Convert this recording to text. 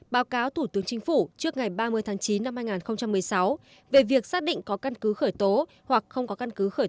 báo cáo thủ tướng chính phủ trước ngày ba mươi tháng chín năm hai nghìn một mươi sáu về việc xác định có căn cứ khởi tố hoặc không có căn cứ khởi tố